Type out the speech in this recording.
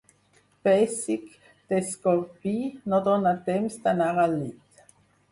Pessic d'escorpí, no dóna temps d'anar al llit.